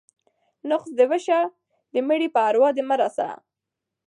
ـ نقص دې وشه ، د مړي په اروا دې مه رسه.